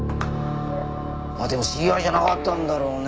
まあでも知り合いじゃなかったんだろうね。